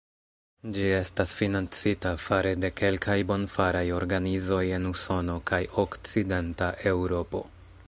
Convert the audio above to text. Ĝi estas financita fare de kelkaj bonfaraj organizoj en Usono kaj Okcidenta Eŭropo.